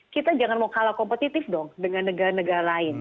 kita jangan mau kalah kompetitif dong dengan negara negara lain